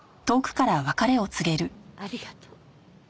ありがとう。